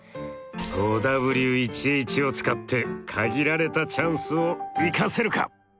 ５Ｗ１Ｈを使って限られたチャンスを生かせるか！？